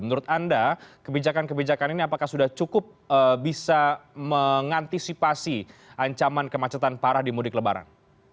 menurut anda kebijakan kebijakan ini apakah sudah cukup bisa mengantisipasi ancaman kemacetan parah di mudik lebaran